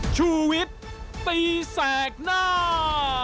ชุวิตตีแสงหน้า